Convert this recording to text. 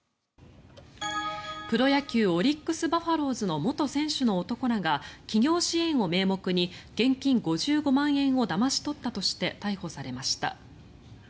プロ野球オリックス・バファローズの元選手の男らが起業支援を名目に現金５５万円をだまし取ったとして逮捕されました。